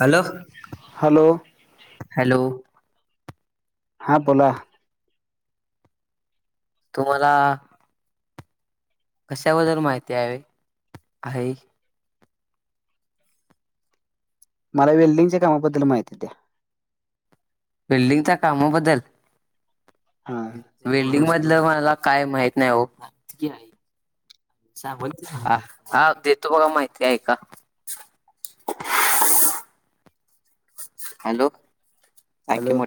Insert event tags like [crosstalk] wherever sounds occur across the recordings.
Hello hello hello हा बोला तुम्हाला कशाबद्दल माहिती आहे आहे मला वेल्डिंगच्या कामाबद्दल माहिती द्या विेल्डिंगच्या काम बद्दल हा वेल्डिंग मधलं मला काय माहित नाही हो आहे हा देतो बघा माहिती आहे का हॅलो हॅलो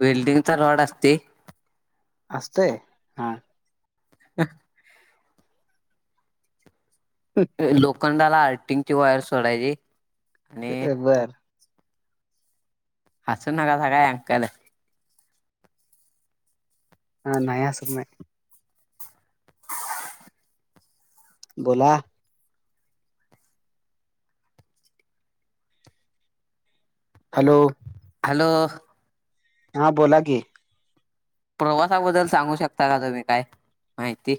बिल्डिंगचा रोड असते अस असते [unintelligible] लोखंडाला आर्टिंग ची वायर सोडायची आणि बर हसू नका स काय अंकायला हा नाहीया हसत नाहीय बोला हॅलो हॅलो हा बोला की प्रवासाबद्दल सांगू शकता का तुम्ही काय माहिती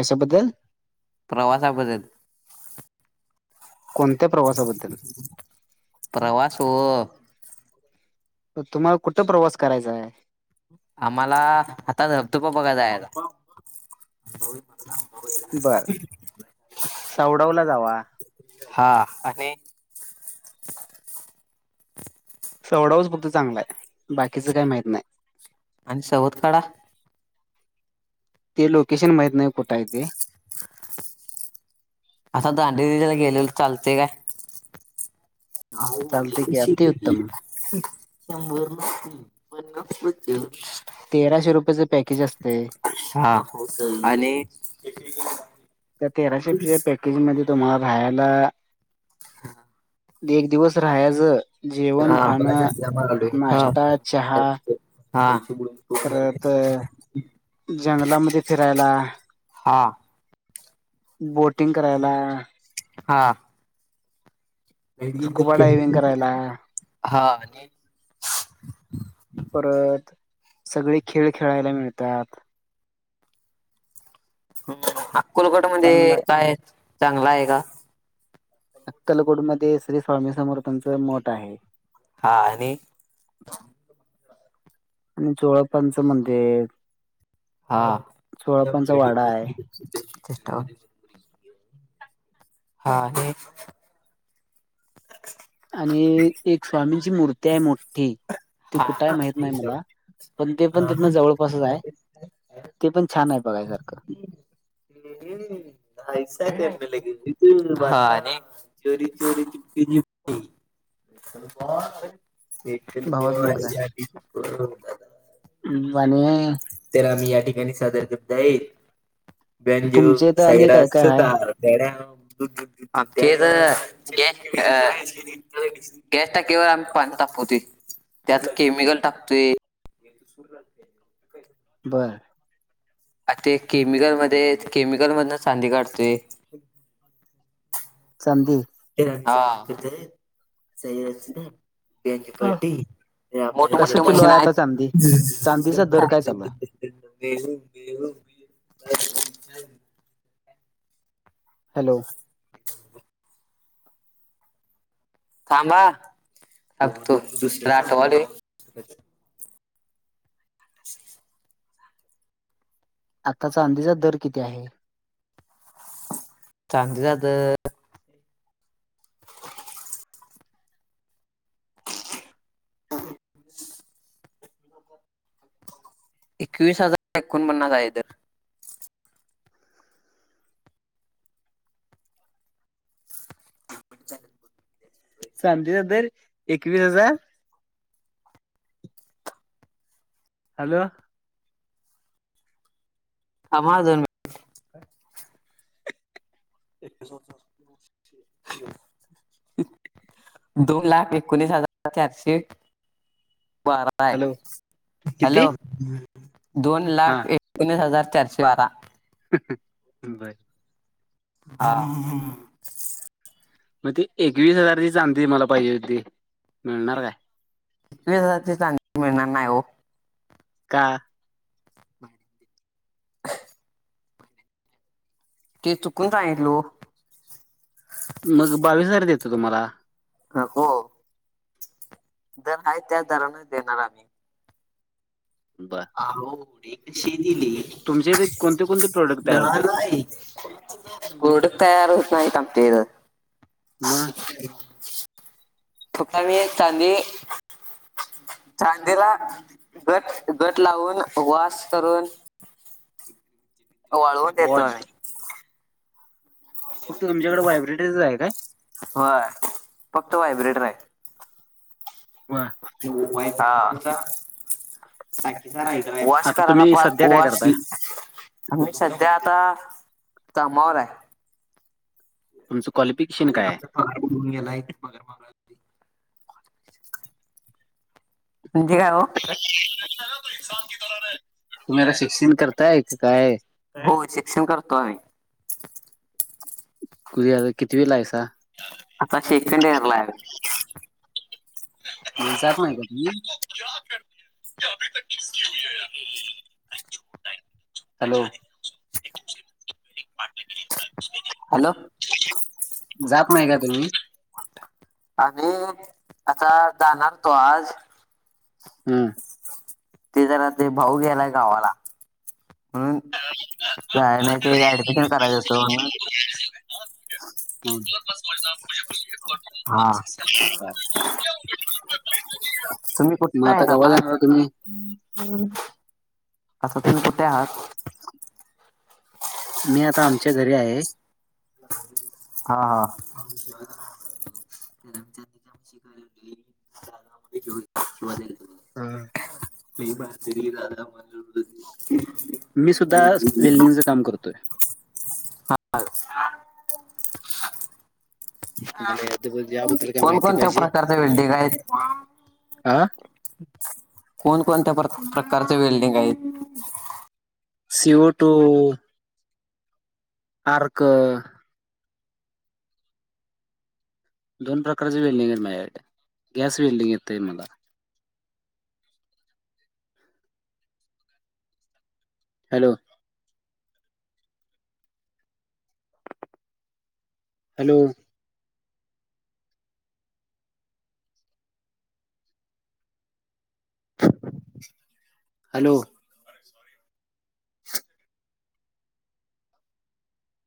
कशाबद्दल प्रवासा बदल कोणत्या प्रवासाबद्दल प्रवास व तुम्हाला कुठं प्रवास करायचा आहे आम्हाला आता धबतुक बघाय जाय भाऊ मला बर भाऊ सावडावला जावा हा आणि सवडाऊच बघत चांगला आहे बाकीचं काही माहित नाही आणि सवत काढा ते लोकेशन माहीत नाही कुठा आहेथ ते आता दांडे दिला गेले चालते काय ह चालते म्ह की श अतिउत्तम ंभरच तेराशे रुपयाचं पॅकेज असते हा आणि त्या तेराशे रुपेच्या पॅकेजमध्येध्ये तुम्हाला राहायला हा एक दिवस राहायच जेवण हा खाणं नाश्ता चहा हा परत जंगलामध्ये फिरायला हा बोटिंग करायला हा स्कुबा डायविंग करायला हा आणि परत सगळे खेळ खेळायला मिळतात अकुलकटा मध्ये चांगला आहे काय चांगला आहे का अक्कलकोटमध्येध्ये श्री स्वामी समर्थांच मठ आहे हा आणि आणि जोळपांचं म्हण हा त्या पेढी वाडा आहे हा हे आणि एक स्वामींची मूर्ती ते मोठी ती कुठही हा माहत नाही मला पण ते पण तिथनं जवळपासच आहे ते पण छान आहे बघाय सर हम् ैसाक एम लागेली तबने चोरी चोरी क भावाचा [inaudible] वाणे तर आम्ही या ठिकाणी सादर करत आहे. ध्यानदेव तुमच्या इथं आणि काय साईराज काय आहे सुतार [unintelligible] गॅस टाकेवर आम्ही पाणी तापवतोय त्यात केमिकल टाकतोय [inaudible] बरं आ ते केमिकलमध्ये केमिकल मधून चांदी काढते चांदी हा. [unintelligible] मोठ कसं मोठे किलो मशीन आहे आता आहेत चांदी चांदीचा दर काय चालू आहे गेहू गेहू हॅलो थांबाग तो दुसर आठवाले आता चांदीचा दर किती आहे जास्तीत जास्त ह [inaudible] एकवीस हजार एकोणपन्नास आहे दर [unintelligible] चांदीचा दर एकवीस हजार हॅलो थांब हा दोन मीन [unintelligible] दोन लाख एकोणीस हजार चारशे बारा बाय हॅलो किती हॅलो दोन हा लाख एकोणीस हजार चारशे बारा [unintelligible] बर हा [unintelligible] मग ती एकवीस हजारची चांदी मला पाहिजे होती. मिळणार काय वीस हजारची चांदी मिळणार नाही ओ का ते चुकून सांगितलो मग बावीस हजार देतो तुम्हाला नको दर आहे त्या दरान देणार आम्ही बर [unintelligible] तुमचे इथे कोणते कोणते प्रोडक्ट तयार होतात [unintelligible] म.. [unintelligible] चांदेला गट गट लावून वास करून. वळवून देतो वॉश [unintelligible] ओके तुमच्याकडे व्हायब्रेट चं हाय काय? व्हय फक्त व्हायब्रेटर आहे. बरं. [unintelligible] आता तुम्ही सध्या काय करताय [unintelligible] आम्ही सध्या आता कामावर हाय. तुचं क्वालिफिकशन काय आहे? [unintelligible] म्हणजे काय हो? [unintelligible] शिक्षण करताय काय? नाय ओ शिक्षण करतोय. [unintelligible] कितवीला हाईस आता? आता सेकण्ड इअर ला आहे. [unintelligible] [unintelligible] हॅलो. हॅलो जात नाही का तुम्ही? [unintelligible] आता जाणार होतो आज. हम्. ते जरा ते भाऊ गेलाय गावाला. [unintelligible] [unintelligible] [unintelligible] हा तुम्ही मग आता गावाला आहात का तुम्ही? असस तुम्ही कुठे आहात? मी आता आमच्या घरी आहे. हा हा. [unintelligible] [unintelligible] रिकामा ऑडिओ मी सुद्धा आज वेल्डिंगचं काम करतोय. रिकामा ऑडिओ तुम्हाला याबद्दल- याबद्दल काय माहिती कोणकोणत्या पाहिजे प्रकारचे वेल्डिंग आहेत? हा कोण कोणत्या प्रकारचे वेल्डिंग आहेत? C O two. आर्क. दोन प्रकारचे वेल्डिंग आहेत माझ्या गॅस विेल्डिंग येत आहे मला. हॅलो. हॅलो. हॅलो.